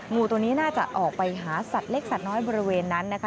งูตัวนี้น่าจะออกไปหาสัตว์เล็กสัตว์น้อยบริเวณนั้นนะคะ